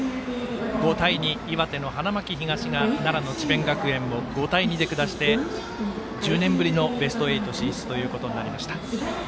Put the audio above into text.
５対２岩手の花巻東が奈良の智弁学園を５対２で下して１０年ぶりのベスト８進出となりました。